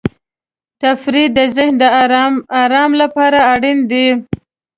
تفریح د ذهن د آرام لپاره اړین دی.